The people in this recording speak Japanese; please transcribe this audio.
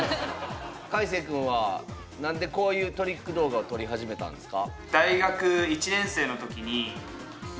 かいせい君は何でこういうトリック動画を撮り始めたんですか？